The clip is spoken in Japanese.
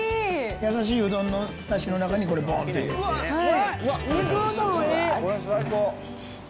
優しいうどんのだしの中に、これぼんと入れてね。